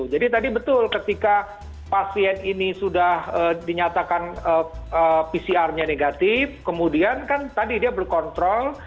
jadi tadi betul ketika pasien ini sudah dinyatakan pcr nya negatif kemudian kan tadi dia berkontrol